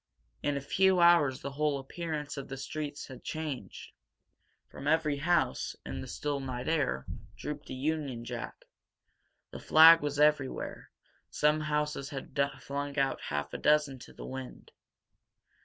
In a few hours the whole appearance of the streets had changed. From every house, in the still night air, drooped a Union Jack. The flag was everywhere; some houses had flung out half a dozen to the wind.